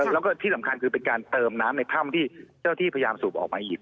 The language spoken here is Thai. แล้วก็ที่สำคัญคือเป็นการเติมน้ำในถ้ำที่เจ้าที่พยายามสูบออกมาอีก